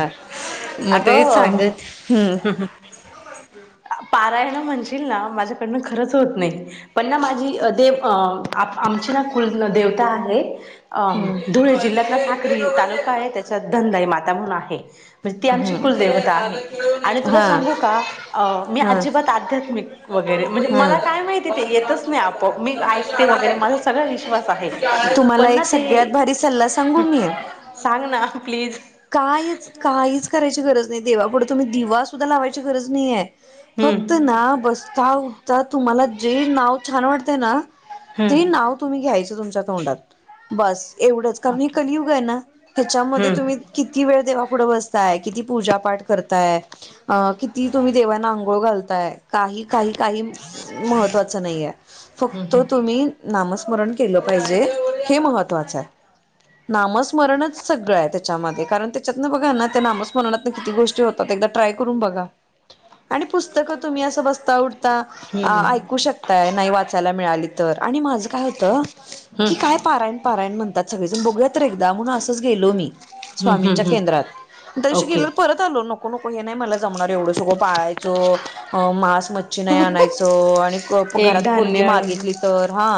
अ मग ते अगं सांग हम् पारायण म्ह माझ्याकड खच होत नाही पण मा आम देवता आहे हम्म धुळे जिल्ह्यात साकरी तालुका आहे त्याच्या ा माता म्हणून आहे म्हणजे तु हा स मी हा हा अजिबातधरे ला का माेत नाही आप मी ऐकरे माझ सग विश्वास आहे तुम्हाला पण एक सगळ्यात ते भारी सल्ला सांगू मी सांग ना प्लीज कायच काहीच करायची गरज नाही देवाकुढं तुम्ही दिवास सुुद्धा लावायची गरज नाहीे फक्त हम्म ना बसता उठता तुम्हाला जे नाव छान वाटतं ना ते हम्म. नाव तुम्ही घ्यायच तुमच्या तोंडात बस एवढंच का कलुग आहे ना त्याच्यामध्ये हम्म हम्म तुम्ही किती वेळ देवा पुुढं बसताय किती पूजा पाठ करताय अ किती तुम्ही देवांना आंघोळ घालताय काही काही काही महत्त्वाचं नाही आहे फक्त हम्म तुम्ही नामस्कार स्मरण केलं पाहिजे हे महत्वाचं आहे नामस्मरणच सगळं आहे त्याच्यामध्ये कारण त्याच्यात ना बघा ना त्या नामस्मरण म्हणाल्या तर किती गोष्टी होतात एकदा ट्राय करून बघा आणि पुस्तक तुम्ही असं बसून. उठता हम्म उठता ऐकू शकता नाही वाचायला मिळाली तर आणि माझ काय होत हम्म. की काय पारायण, पारायण म्हणतात सगळेजण बघूयात तरी एकदा म्हणून असंच गेलो मी हम्म हम्म स्वामींच्या हम्म केंद्रात तशी ओके गेलो परत आलो. नको नको हे नाही मला जमणार एवढं सगळं पाळायचं मास मच्छी नाही आणायच आणि एक घरात पोरगी धान्य मागितली तर हा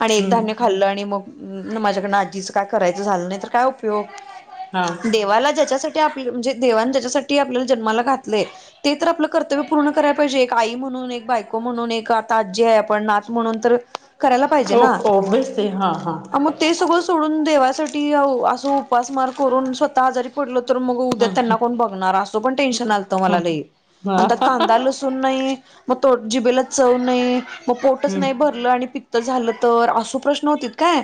आणि एक हम्म धान्य खाल्लं आणि मग माझ्याकडनं आजीचं काय करायचं झालं नाही तर काय उपयोग हा देवाला ज्याच्यासाठी म्हणजे दे ज्याच्यासाठी आपल्या जन्माला घातलेय ते तर आपलं कर्तव्य पूर्ण कराला पाहिजे एक आई म्हणून. म्हणून एक बायको म्हणून, एक आता आजी आहे आपण नात म्हणून तर करायला पाहिजे ओ ना ओबसली हा हा मग ते सगळं सोडून देवास साठी असं उपासमार करून स्वतः आजारी पडलो तर तर मग उद्या हम्म त्यांना कोण बघणार असं पण टेन्शन आलतं हम्म मलालई अन त्यात कांदा लसूण नाही. मग तो जिबेला चव नाही मग हम्म हा पोटच नाही हम्म भरलं आणि पित्त झालं. तर असो प्रश्न होत काय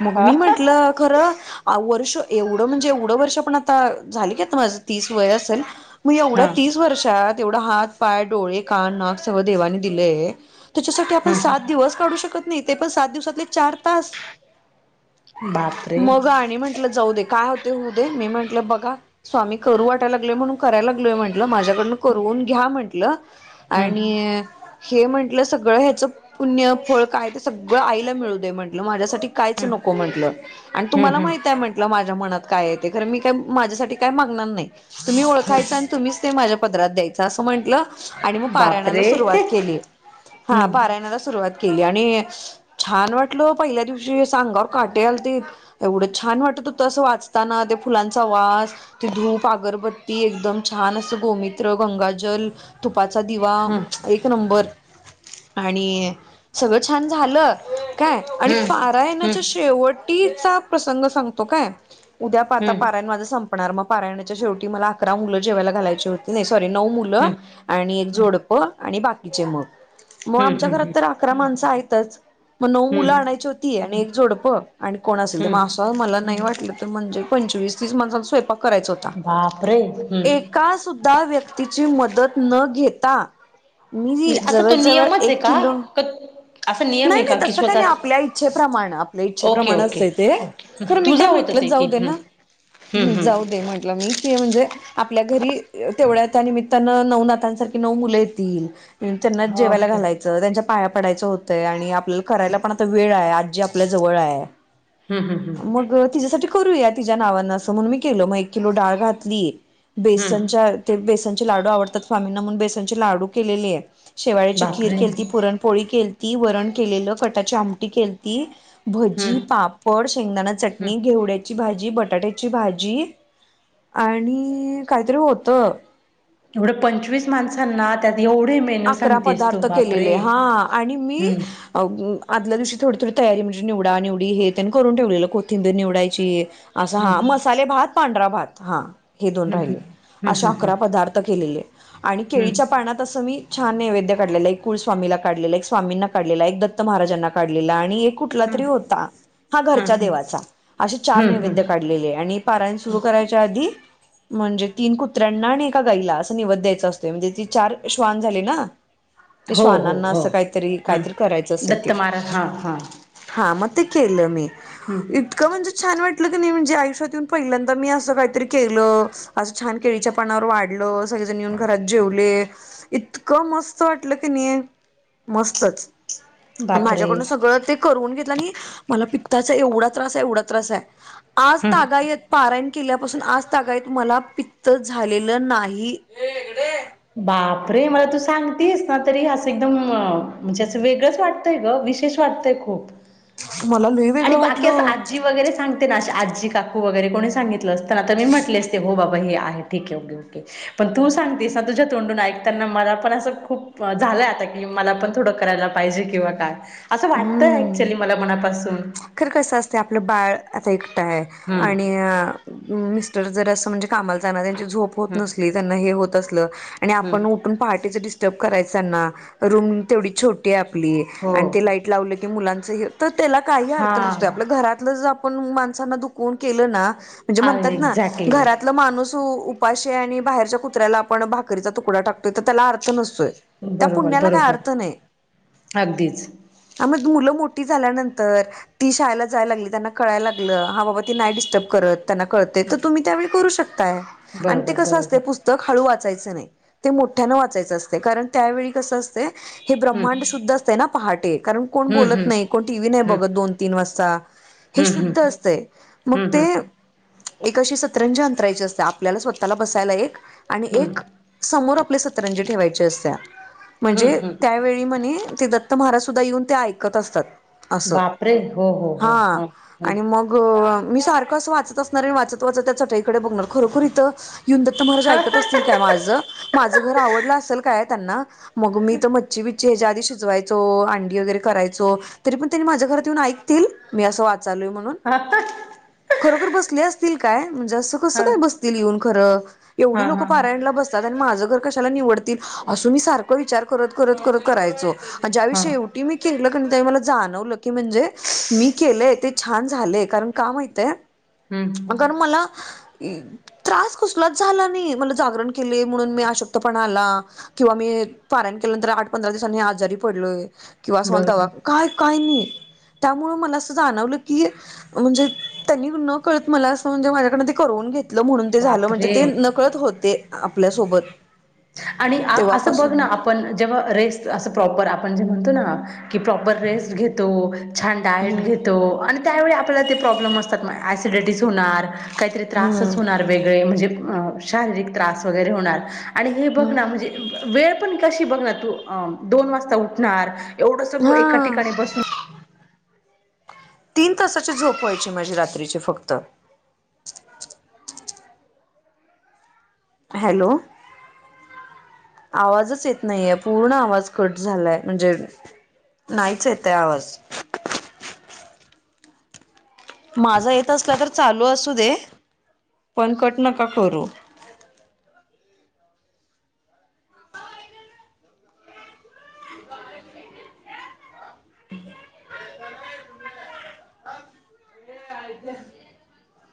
मग हा मी म्हंटलं खरं वर्ष. एवढं म्हणजे एवढं वर्ष पण आता झाली की माझ तीस वय असेल. मग हा एवढ्या तीस वर्षात एवढा हात, पाय, डोळे, कान, नाक सर्व देवानी दिलेय. त्याच्यासाठी आपण हम्म सात दिवस काढू शकत नाही ते पण सात दिवसातले चार तास. बापरे मग आणि म्हंटलं जाऊ दे काय होते होऊ दे मी म्हंटलं बघा. स्वामी करू वाटाय लागलेय म्हणून करायला लागलय म्हटलं माझ्याकडनं करून घ्या म्हंटलं. हम्म आणि. हे म्हटलं सगळं ह्याचं पुण्य फळ काय ते सगळं आईला मिळूदे म्हंटलं माझ्यासाठी कायच हम्म नको. हो म्हटल अन हम्म तुम्हाला माहित हम्म आहे म्हटल माझ्या मनात काय आहे ते मी काय माझ्यासाठी काय मागणार नाही तुम्ही ओखय आणि तुम्हीच ते माझ्या पदरात द्यायचं असं म्हटलं. आणि मग पारायणाला बापरे सुरुवात केली हा हम्म पारायणाला सुरुवात. केली आणि छान वाटल पहिल्या दिवशी सांगावर काटे आल ते एवढं छान वाट. तू तसं वाचताना ते फुलांचा वास. ती धूप अगरबत्ती एकदम छान असं गोमित्र, गंगाजल त तुपाचा दिवा हम्म एक नंबर. आणि सगळं छान झालं. काय आणि हम्म हम्म पारायणाच्या शेवटीचा प्रसंग सांगतो काय. उद्या पाहता हम्म पारायण माझ संप. सपणार मग पारायणाच्या शेवटी मला अकरा मुलं जेवायला घालायची होती नाही सॉरी नऊ मुलं हम्म आणि एक जोडप. हो आणि बाकीचे मग. मग हम्म आमच्या घरात हम्म तर अकरा माणसं आहेतच मग नऊ मुलं हम्म आणायची होती आणि एक झोडपं. आणि कोण असेल ते हम्म असं मला नाही वाटलं तर म्हणजे पंचवीस तीस माणस स्वय. करायच होता बापरे हम्म एका सुद्धा व्यक्त. तीची मदत न घेता मी म्हणजे असा जवळ, तो जवळ नियमच आहे एक का? किलो. असं नियम नाही आहे नाही का की तस काय नाही स्वतःच आपल्या इच्छेप्रमाण आपल्या ओके इच्छेप्रमाण ओके असतं ते ओके खर हं मी तुझं काय होतं म्हटलं. ते की जाऊ दे हं ना हं हं. जाऊ दे म्हट मी म्हणजे. आपल्या घरी तेवढ्या त्या निमित्तानं नऊ नातांसारखी नऊ मुलं येतील. त्यांना हा, जेवायला ओके. घालायचं त्यांच्या पाया पडायचं होतंय आणि आपल्याला करायला पण आता वेळ आहे. आपल्या जवळ हं हं हं मग तेच्यासाठी. करूया तिच्या नावानं मग एक किलो डाळ घातली हं. बेसनच्या बेसन. घे लाडू आवडतात स्वामीं म्हून बेसनचे लाडू केले आहे शेवाळची खीर बापरे! केती पुरणपोळी केलती. ती वरण केलेलं कटाची आमटी केलती. हं भजी, पापड, शेंगदाणा हं. चटणी, घेवड्याची भाजी, बटाट्याची भाजी आणि काहीतरी होत. एवढं पंचवीस माणसांना त्या. अकरा पदार्थ केलेले हा आणि मी हं आदल्या दिवशी थोडी थोडी तयारी म्हणजे निवडा निवडी हे त्यांनी करून ठेवलेलं. कोथिंबीर निवडायची असं हं हा. मसाले भात, पांढरा भात हा. हे दोन हं हं राहिले. हं हं अशे हं अकरा पदार्थ केलेले आणि हं हं. केळीच्या पाण्यात असं मी छान! नैवेद्य काढले आहे, एक कुळ स्वामीला काढलेला एक स्वामींना काढलेला एक दत्त महाराजांना काढलेला आणि एक कुठला हं तरी होता? हा हं घरच्या हं देवाचा असे चार हं नैवेद्य हं काढलेले आहे, आणि पारायण सुरू करायच्या आधी म्हणजे तीन कुत्र्यांना आणि एका गाईला असं निवद द्यायचं असतोय म्हणजे ती चार श्वान [unintelligible] ना ते हो हो श्वावांना हो असं काय तरी, काय हं. तर कराचं असं दत्त ते. महाराज हां हां. हा, मग ते केलं मी हं. इतकं म्हणजे छान! वाट वाटलं की नाही, म्हणजे आयुष्यात येवून पहिल्यांदा मी असं काही तरी केलं असं छान! केळीच्या पानावर वाढलं सगळे जण येऊन घरात जेवलीत इतकं मस्त वाटलं की नाही, मस्तच! बापरे! माझ्याकडून सगळं ते करून घेतलं आणि मला प त्याचा एवढा त्रास आहे एवढा त्रास आहे, आज हं. तागायत पारायण केल्यापासून आज तागायत मला पित्त झालेलं नाही, ये इकडे ये. बापरे! मला तू सांगतीयेस ना, तरी असं एकदम म्हणजे असं वेगळंच वाटतयं गं. विशेष वाटतंय खूप मला लई आणि वेगळं बाकी असं वाटलं आजी वगैरे सांगते ना, अशी आजी, काकू वगैरे कोणी सांगितलं असतं तर आता मी म्हटले, असते हो बाबा हे आहे ठीक ओके ओके! पण तू सांगतेस तुझ्या तोंडून ऐकताना मला पण असं खूप झालंय, आता की मला पण थोडं करायला पाहिजे किंवा काय? असं वाटतंय ऍक्च्युली मला मनापासून. खरं कसं असतयं आपलं बाळ आता एकटं आहे, आणि अ जर असं म्हणजे कामाला जाणार आहे झोप होत हम्म नसली, त्यांना हे होत असलं आणि हम्म. आपण उठून पहाटेचं डिस ब करायचं त्यांना रूम तेवढी छोटी आहे, आपली आणि ती हो लाईट लावलं की मुलांचं हे तर त्याला काही अर्थ नसतोय, हा आपलं घरातलं जे आपण माणसांना दुखवून केलं ना म्हणजे म्हणतात ना, एक्झॅक्टली घरातलं माणूस उठ उपाशी आणि बाहेरच्या कुत्र्याला आपण भाकरीचा तुकडा टाकतोय तर, त्याला अर्थ नस तोय. त्या बरोबर पुण्याला काय बरोबर अर्थ नाही. अगदीच हा म दू मुलं मो ठी झाल्यानंतर, ती शाळेला जाय लागली, त्यांना कळायला लागलं, हा बाबा ती नाही डिस्टर्ब करत त्यांना कळतय, तर तुम्ही त्यावेळी करू शकताय आणि ते बरोबर कस असतय बरोबर पुस्तक हळू वा चायच नाही, मोठ्यान वाचायचं असतय कारण, त्यावेळी कसं असतय हे हम्म ब्रह्मांड शुद्ध असते ना पहाटे कारण कोण बोलत हम्म नाही, कोण टीव्ही नाही हम्म बघत. दोन तीन वाजता, हे हम्म हम्म हम्म शुद्ध असतय मग हम्म ते हम्म एक अशी सतरंजी अंथरायची असते. आपल्याला स्वतःला बसायला एक आणि हम्म एक समोर आप आपली सतरंजी ठेवायची असतिया म्हणजे हम्म हम्म त्यावेळी म्हने ते द त्त महाराज सुद्धा येऊन ते ऐकत असतात. असं बापरे! हो हो हा आणि मग मी सारखं अस वाचत असणार आणि वाचत वाचत त्या चटईकडे बघणार, खरोखर इथं येऊन दत्त महाराज हो ऐकत असतील काय माझं? माझं घर आवडलं असेल काय त्यांना? मग मी तर मच्छी बिच्छ ह्याच्या आधी शिजवायचो, अंडी वगैरे करायचो तरी पण त्यांनी माझ्या घरात येऊन ऐक असतील मी असं वाचालोय म्हणून, हा खरोखर बसले असतील काय? म्हणजे असं हा कस काय बसतील येऊन खरं, एवढी हा लोक हा पारायणला बसतात आणि माझं घर कशाला निवड तील अस मी सारखा विचार करत, करत करायचो, ज्यावी मी हा शेवटी केलं पणं ताई मला जाणवलं की, म्हणजे मी केलंय ते छान झालय, कारण का माहित हाय आ हम्म गर मला त्रास कसलाच झाला नाही, मला जागरण केली म्हणून मी आशक्तपणा आला किंवा मी पारायण केल्यानंतर, आठ पंधरा दिवसानी आजारी पडलोय. किंवा अस मला दवा बरोबर काय काय नाही. त्यामुळे मला असं जाणवलं की, म्हणजे त्यांनी न कळत मला असं म्हणजे माझ्याकडन ते करवून घेत म्हणून ते झालं म्हणजे बापरे ते नकळत होते आपल्यासोबत आणि असं बघ ना तेव्हापासून आपण जेव्हा रेस्ट असं प्रॉपर आपण जे म्हणतो ना की प्रॉपर रेस्ट घेतो छान डाएट हम्म घेतो आणि त्यावेळी आपल्याला ते प्रॉब्लेम असतात मग ॲसिडिटीज होणार काहीतरी त्रासच हम्म होणार वेगळे म्हणजे शारीरिक त्रास वगैरे होणार आणि हे बघ हम्म म्हणजे वेळ पण कशी बघणार तू दोन वाजता उठणार एवढं सगळं एका हा ठिकाणी बसून तीन तासाची झोप व्हायची माझी रात्रीची फक्त हॅलो आवाजच येत नाहीये पूर्ण आवाज कट झालाय म्हणजे नाहीच येते आवाज ह माझा येत असला तर चालू असू दे पण कट नका करू ह हम् ज